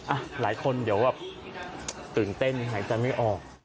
หลายคนเดี๋ยวแบบตื่นเต้นหายใจไม่ออก